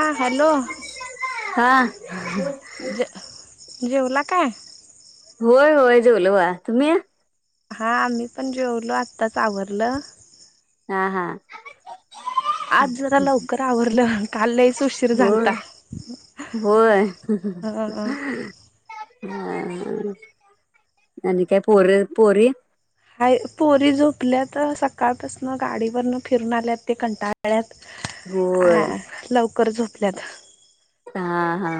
हा हॅलो. हा. जे जेवला काय? होय होय जेलोव. तुम्ही? हा आम्ही पण जेवलो आत्ताच आवरलं. हा हा. आज जरा लवकर आवरलं काल लईच उशीर झालता. होय होय ह ह न काय पर पोरी हाय पोरी झोपल्या तर सकाळपासन गाडीवरन फिरून आल्यात ते कंटाळ्यात होय आ लवकर झोपल्यात हा हा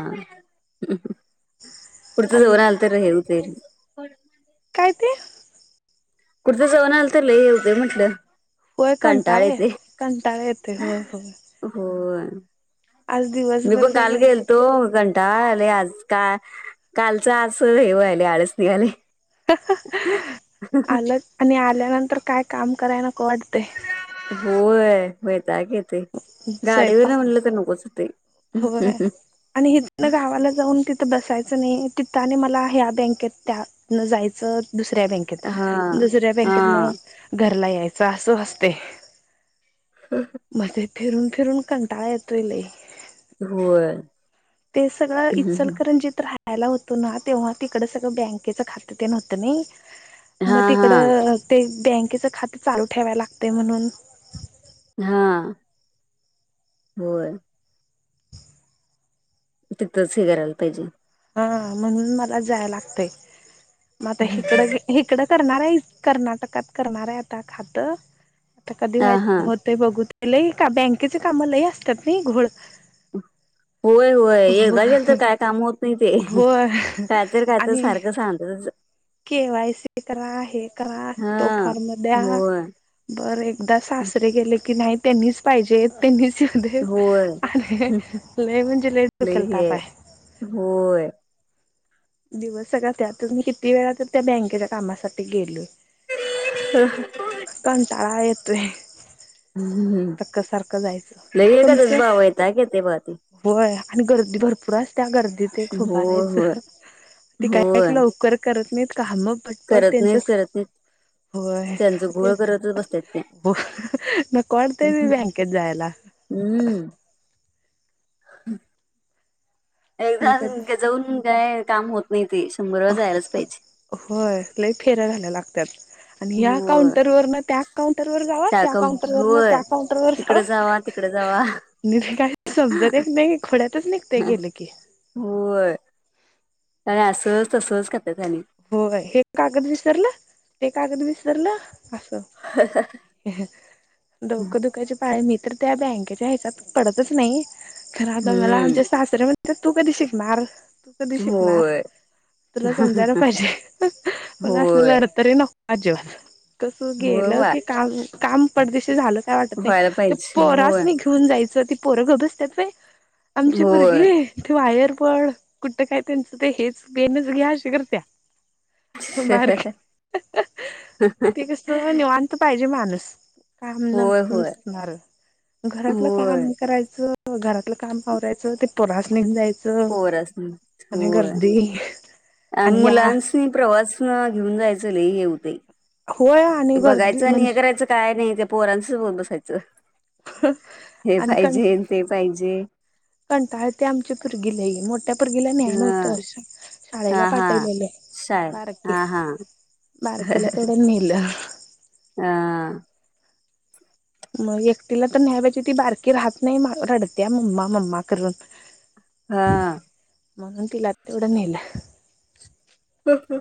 पुढचं जोर अजून आल तर हेव ते त कुर्ता सव आल तर ल हे रुपय म्हटलं होय कंटाळा ये कंटाळेते कंटाळा येतोय होय होय हो आज मी दिवसभर पण काल सगळं गेलतो कंटाले आज का कालच आ हे वहिले आळच निघाले आलंच आणि आल्यानंतर काय काम कराय नक वाटते होय भता घ येते गाडीवर स्वयंपाक ना म्हणलं तर नकोच ते होय आणि इथन गावाला जाऊन तिथं बसायचं नाही तिथने मला ह्या बँकेत त्यान जायचं दुसऱ्या बँकेत हा दुसऱ्या बँकेत ना हा घरला यायचं असं असते हम् ह मग ते फिरून फिरून कंटाळा येतोला होय ते सगळं इल ज खयला होतो ना तेव्हा तिकड सगळं बँकेचं खातं ते नव्हतं ना हा मग हा तिकडं ते बँकेचं खातं चालू ठेवाय लागत म्हणून हा बर तिथंच हे करायला पाहिजे हा म्हणून मला जाय लागते म आता हकड इकडं करणार कर्नाटकात करणार आहे आता खात आता कधी हा व हा होत बघ ल बँकेचे काम लही असतात नाही घोड होय होय एकदा गेल तर काय काम होत नाही ते होय काातर काातर सारखं सांत केवाय स करा आहे करा हा तो फारम म द्या होय बर एकदा सासरे गेले की नाही त्यांनीच पाहिजे त्यांनी शधेव होय आणि लमण जे ल लई हे आहे केलतापय होय दिवस का त्यात म किती वेळा तर त्या बँकेच्या कामासाठी गेलो ह तळााेत सारखं सारखं जायचं लई एखादच तुमचं भावा वैताग येतोय बघा ते वय आणि गर्दी भरपूर अस त्या गर्दीत एक होय उभारायचं होय त होय काही लवकर करत नाहीत काम पटपट करत त्यांच नाहीत करत नाहीत होय त्यांचं ते घोळ करतच बसतात ते हो मग कोणत मी बँकेत जायला हम्म एकदा मी कधी जाऊन काय काम होत नाही ते शंभर वेळा जायलाच पाहिजे होय ल फेऱ्या झाल्या लागतात आणि या होय काउंटरवरन त्या काउंटरवर जाव त्या टाकम काउंटर वन त्या काउंटरवर जाव अवा निी ते काही समजत नाही खोड्यातच निघते गेले की होय अरे असंच तंच का हो का हे कागद विसरलं ते कागद विसरलं अस डोक दुखाचे पाय मी तर त्या बँकेच्या हात पडतच नाही कार आता मला हम्म आम सासरे तू कधी शिकणार तू कधी शिकणार होय तुला समजायला पाहिजे मला होय असलेला अर तरी नको आजीबात कसं होय गेलं वा की काम काम पडदशी झालं काय वाटत नाही व्हायला ते पाहिजे पोरास होय मी घेऊन जायचं ती पोरं घबसतात पय आमची होय भरगे ते वायर पण कुठं काय त्यांचं ते हेच बेनच घ्या श कर त्या बारक ते कस निवत पाहि माण घ होय होय होय काम क घरातलं काम आवरायचं ते पुरास नेन जायच पोरस होय आणि या म्बुलन्स प्रवास घेऊन जायचं लले हे होते होय आणि ते गर्दी बघायचं आणि हे म्हणजे करायचं काय नाही ते पोरांच सोबत बसायचं हे आणि कं पाहिजे ते पाहिजे पगीला न्याय हा नव्हतं शाळेला हा हा पाठवलेले शाळेत बारके हा हा बारकीेला तेवढं नेलं हा मग एकटीला तर न्याय पाहिजे ती बारकी राहत नाही रडत्या मम्मा मम्मा करून हा म्हणून ति लात उडा मेला ह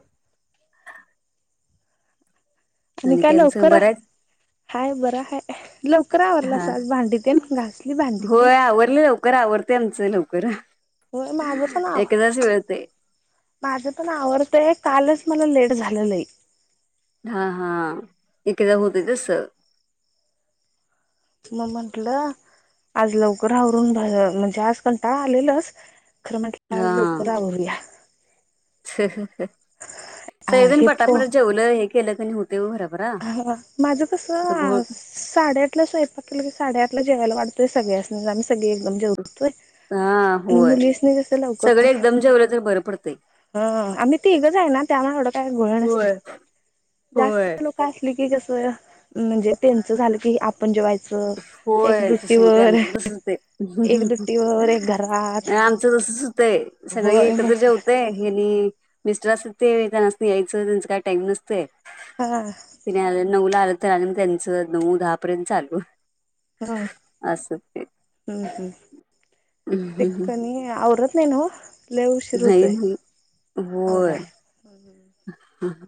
आणि काय केम स लवकर बरंच हाय बरा हा लवकर आवरला हा अस भांडीतन घासली भांडीत करा होय माझं पण आव माझं पण आवडतय कालच मला लेट झालं नाही हा हा एखादा होत तस मग म्हंटलं आज लवकर आवरून म्हणजे आज कंटा आलेलच अ खरं म्हटल्या लकरा बया अ सयजण हे पटापट जेवलं हे केलं क होत हा माझ कस घोळ साडेआठल्या शलं साडेआ जेवायला वातय सगळ स एकदम जवतोय हा आणि होय मुलीस नाही जस लवकर सगळे एकदम जेवलं तर बरं पडतंय हा आम्ही ते एकगच आहे ना त्यामुळे एवढं काय गोळ न असते होय होय जास्त लोक अस कस म्हणजे त्यांच झालं की आपण जेवायचं एक होय तस होते दुट्टीवर आमच तसत एक दुट्टीवर एक घरात आमचं तसचतंय सगळे होय एकत्र मग जेवतय आणि मिस्टर असत ते त्यांनास यायचं त्यांच काय टाईम नसते हा नऊ ला आलं तर आणि मग त्यांचं नऊ दहापर्यंत चालू ह असं ते हम् हम म इ नाही कनी आरात नेन ललेव शिर होच आहे नाही हो हा ह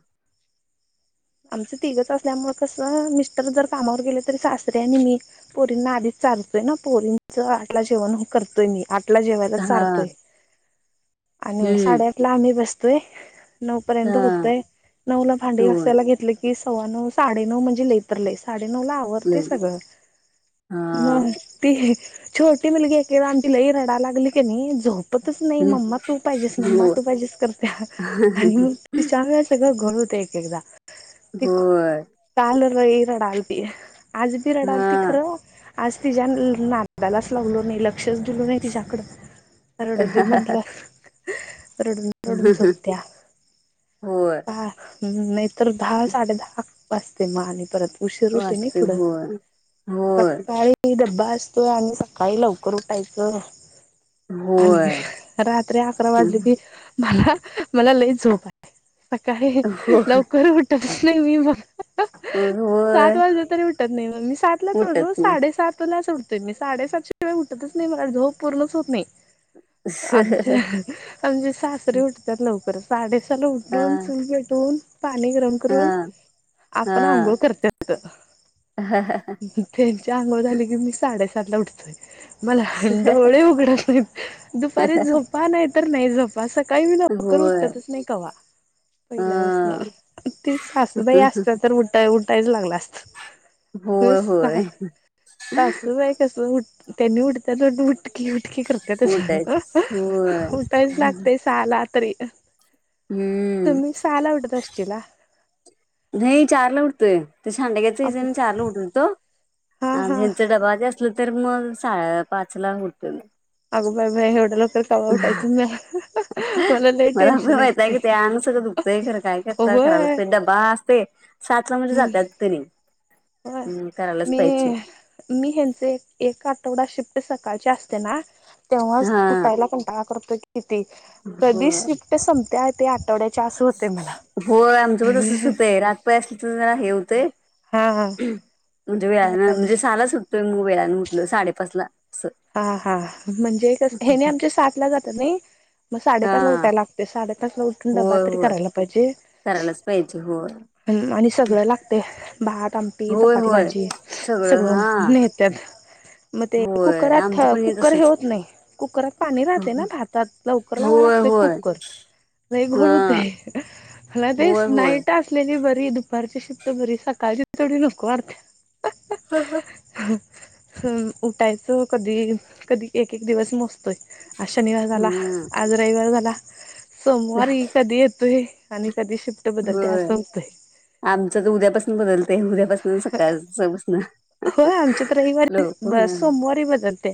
आमच तिघच असल्यामुळे कस मिस्टर जर कामावर गेले तरी सासरे आणि मी पोरींना आधीच चारतोय ना पोरींच आटला जेवण करतोय मी आ ला जेवायला हा चारतोय आणि हम्म साडेआठ ला आम्ही बसतोय नऊ पर्यंत हा होतंय नऊ ला भांडी दोन अससायला घेत सव्वा नऊ साडे नऊ म्हणजे लतरलंय सा ला आवडते लई सगळ हा मग ते छोटी मुलगी एके आमची लई रडाय लागली की नाही झोपतच नाही हो मम्मा तू पायजेस म्मा तू पायजेस करत्या आणि मगं तिच्या मूळ सगळं घोळ होतय एक एकदा ती होय काल लई रडालती आज भी रडालती हा खरं आज तिच्या नांदालाच लाग्लो नाही लक्षच दिलो नाही तिच्याकड रडूदे म्हटलं रडून रडून झोपत्या होय [inaudible] नाही तर दहा साडे दहा वाजते मग आली परत उशीर होतय नी वाचते पुढं होय होय सक्काळी द डबा असतोय आणि सकाळी लवकर उठायचं आणि होय रात्री अकरा वाजली की मला मला लई झोप सकाळी लव होय कसली आहे मी बग सात होय वाजलं तरी उटत नाही मग मी सात ला उठत रोज नाही साडे सात ला उठ तर मी साडेसातशे रुपये उठतच नाही म झोप पूर्णच होत नाही आमच्या आमचे सासरे उठतात लवकर साडे त्या लोटून, हा चूल पेटूवून पाणी गरम करून आपण हा आंघोळ करत्यात. त्यांच्या अंगोळ झाली की मी साडे सात ला उठतोय मला डोळे उघडत नाही हा दुपारी झोपा तर नाही झोपा सकाळी लवकर होय उठतच नाही कवा अ पहिल्यास् ते सासुबाई असत तर उठा उठायच लागलं असत त होय सा होय सासुबाई कस उठ त्यांनी उठत्यात [inaudible] उटकी उटकी करते त्या उठायच होय उठायच लागते साला तरी हम्म तुम्ही सहाला उटत असाचीला. नाही चारला उठतोय ते सांडग्याच्या अग सीजन चारला उठत होतो हा आणि हा ह्यांचा डबा ते असल तर मग सा पाच ला उठतोय मग अगं बाय बाय एवढ्या लव तवा उठायचं म्हणजे [inaudible] मला लय पण टेन्शन वैताग येतंय. येतोय अंग सगळं दुखतंय खरं काय हो करता करायलाच पाहिजे डबा असतेय सातला म्हणजे जातात तेनी. हा हम्म करायलाच मी पाहिजे मी ह्यांच एक आठवडा शिफ्ट सकाळची असते ना तेव्हाच हा उटायला कंटाळा करतोय कधी होय शिफ्ट संपते त्या होय आमचं पण तसच होतंय रातपाळी असल तर जरा हे होतंय. हा. म्हणजे वेळानं म्हणजे सााला सु उटतोय मग वेळं उठल साडेपाच ला असं हा हा म्हणजे हे कस हेनी आमच्या सातला जात्यात नाही मग साडेपाचला हा उठायला लागते साडेपाचला उठून ड्बा होय तरी होय करायला पाहिजे. करायलाच पाहिजे होय ह आणि सगळं लागतयं. भात, आमटी, होय चपाती, होय भाजी सगळं नेत्यात. मग ते होय कुकरात आमचं पण कुकर हे तसच होत नाही कुकरात पाणी राहते ना भातात लवकर लावायला लवकर लवायला होय लागतंय होय कुकर लई घोळ हा हुतंय मला ते होय होय नाईट असलेली बरी दुपारची शिफ्ट बरी सकाळची तेवढं नको वाटतंय. ह ह. ह उठायचं कधी कधी एक एक दिवस मो होय आज शनिवार झाला हम्म आज रविवार झाला. सोमवारी इ कधी येतोय आणि कधी शिफ्ट बदलत्या अस आमच तर उद्यापासून बदल हो आमच्यात लोक रविवारी, सोमवारी बदलते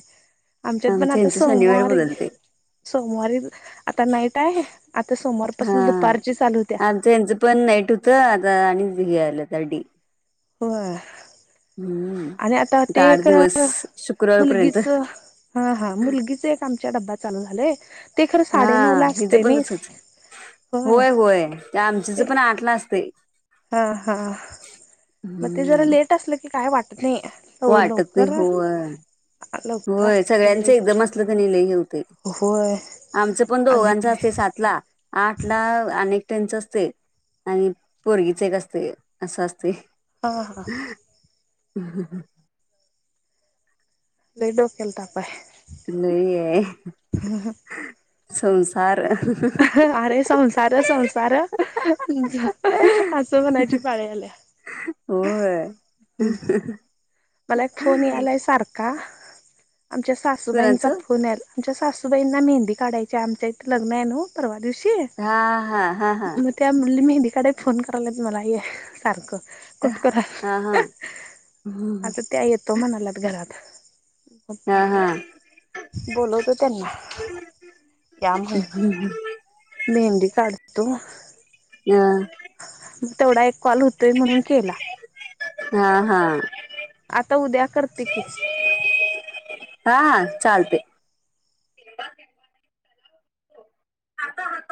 आमच्यात पण आमचं आता ह्यांच शनिवारी सोमवारी, बदलतय सोमवारी आता नाईट आहे आता सोमवारी हा आमच यांचं पण नाईट होत आता आणि [unintelligible] तर तडी हो. आणि आता ते आठ दिवस [unintelligible] शुक्रवारपर्यंत मुलगीच हा हा मुलगीच एक आमच्या डब्बा चालू झालंय ते खरं हा साडे नऊला हिचं असते पण नी तसच होय होय आमच्याच पण आठलं असते. हा हा मग ते जरा हम्म लेट असलं की काय वाटत. नाही वाटत नाय ते लवकर हो. लवकर होय असलं की सगळ्यांचं लई एकदम असलं तर निघल घे होते. होय आमचं पण आणि दोघांच असते सातला आठला आणि त्यांच असते आणि पोरगीच एक असते असं असते. हा हा. हम् हम् हम्. लय डोक्याला ताप आहे. नाही आहे. स [unintelligible] [unintelligible] अरे संसार संसार [unintelligible] असं म्हणायची पाळी आली आहे होय. [inaudible] मला एक फोन यालाय सारखा आमच्या सासूबाईंचा कुणाचं फोन आमच्या सासूबाईंना मेहंदी काढायची आमच्या इथ लग्न आहे ना परवा दिवशी. अ हा हा हा हा शी मग त्या मेहंदी काढल्या फोन कराल्या मला ये सारखं कट करा हा हा. आता त्या येतो म्हणाल्यात घरात. हा हा. बोलवतो त्यांना. या मग मेहंदी काढतो. हा. मग तेवढा एक कॉल होतोय म्हणून केला. हा हा. आता उद्या करते की? हा हा चालते. आता हात [inaudible]